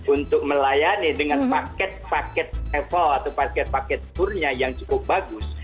untuk melayani dengan paket paket travel atau paket paket tournya yang cukup bagus